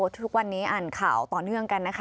ทุกวันนี้อ่านข่าวต่อเนื่องกันนะคะ